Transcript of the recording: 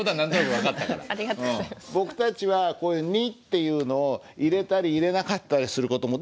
僕たちはこういう「に」っていうのを入れたり入れなかったりする事も。